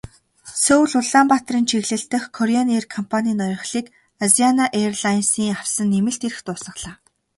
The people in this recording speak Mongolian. Сөүл-Улаанбаатарын чиглэл дэх Кореан эйр компанийн ноёрхлыг Азиана эйрлайнсын авсан нэмэлт эрх дуусгалаа.